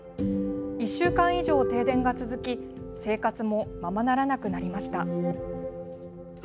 １週間以上、停電が続き生活もままならなくなりました。